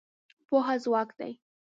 پوهه ځواک دی.